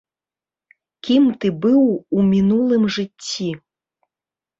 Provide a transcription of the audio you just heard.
Кім ты быў у мінулым жыцці?